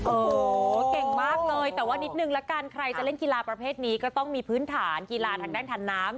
โอ้โหเก่งมากเลยแต่ว่านิดนึงละกันใครจะเล่นกีฬาประเภทนี้ก็ต้องมีพื้นฐานกีฬาทางด้านทันน้ำ